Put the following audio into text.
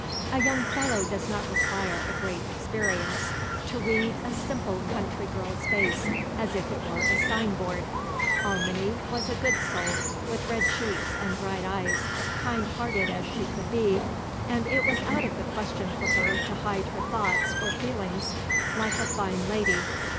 A young fellow does not require a great experience to read a simple country girl's face as if it were a sign board. Alminy was a good soul, with red cheeks and bright eyes, kind hearted as she could be, and it was out of the question for her to hide her thoughts or feelings like a fine lady.